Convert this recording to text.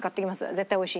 絶対おいしい。